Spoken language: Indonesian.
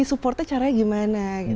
supportnya caranya gimana